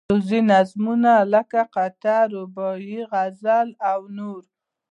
عروضي نظمونه لکه قطعه، رباعي، غزل او نور.